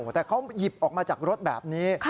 แต่เขาหยิบออกมาจากรถแบบนี้